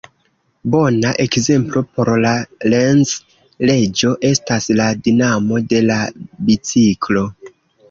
Bona ekzemplo por la Lenz-leĝo estas la dinamo de la biciklo.